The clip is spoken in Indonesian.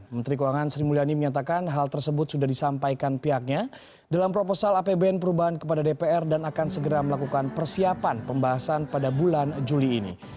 menteri keuangan sri mulyani menyatakan hal tersebut sudah disampaikan pihaknya dalam proposal apbn perubahan kepada dpr dan akan segera melakukan persiapan pembahasan pada bulan juli ini